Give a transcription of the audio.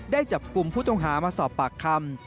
ได้จับกลุ่มผู้ต้องหามาสอบปากคำ